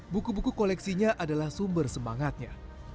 buku buku koleksinya adalah sumber semangatnya